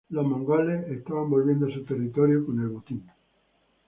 Los mongoles estaban volviendo a su territorio con su botín.